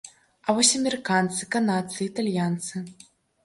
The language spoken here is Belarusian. А вось амерыканцы, канадцы, італьянцы?